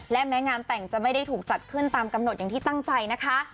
และแม้งานแต่งจะไม่ได้ถูกจัดขึ้นตามกำหนดอย่างที่ตั้งใจนะคะ